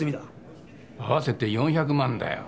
合わせて４００万だよ。